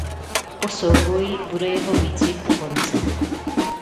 Po souboji bude jeho výcvik u konce.